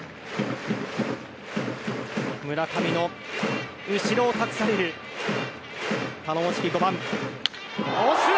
村上の後ろを託される頼もしき５番。